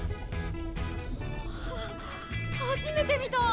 あ初めて見た！